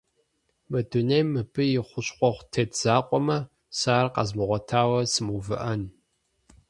Мы дунейм мыбы и хущхъуэгъуэ тет закъуэмэ, сэ ар къэзмыгъуэтауэ сымыувыӏэн.